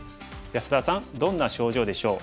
安田さんどんな症状でしょう？